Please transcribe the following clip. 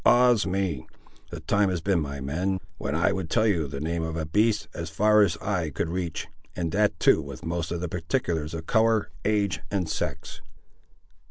Ah's me! The time has been, my men, when I would tell you the name of a beast, as far as eye could reach, and that too with most of the particulars of colour, age, and sex."